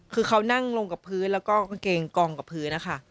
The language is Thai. คือเขานั่งลงกับพื้นแล้วก็กางเกงกองกับพื้นนะคะ